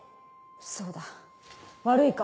そうだ悪いか？